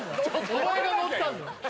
お前が乗ったんだよ